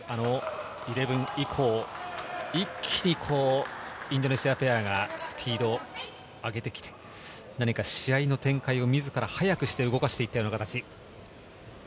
イレブン以降、一気にインドネシアペアがスピード上げてきて、何か試合の展開を自ら早く動かしているような形。